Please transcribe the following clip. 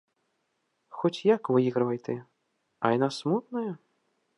Хоць як выйгравай ты, а яна смутная?